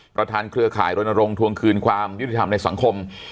เครือข่ายรณรงค์ทวงคืนความยุติธรรมในสังคม